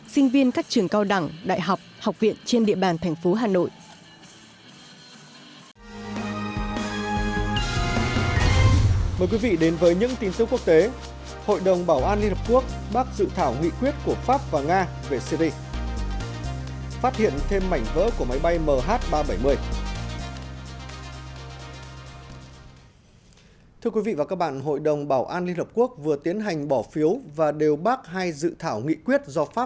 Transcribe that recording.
sinh viên các trường cao đẳng đại học học viện trên địa bàn thành phố hà nội